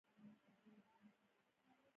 د هغو اصحابو نوم مې واخیست.